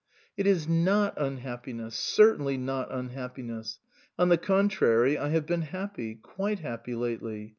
" It is not unhappiness ; certainly not unhappi ness. On the contrary I have been happy, quite happy lately.